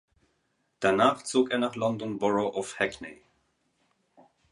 Danach zog er nach London Borough of Hackney.